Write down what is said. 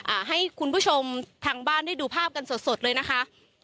อ่าให้คุณผู้ชมทางบ้านได้ดูภาพกันสดสดเลยนะคะ